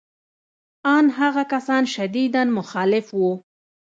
ان هغه کسان شدیداً مخالف وو